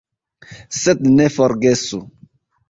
Sed ne forgesu!